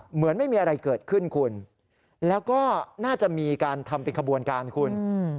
เหมือนไม่มีอะไรเกิดขึ้นคุณแล้วก็น่าจะมีการทำเป็นขบวนการคุณ